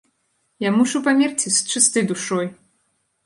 Я мушу памерці з чыстай душой!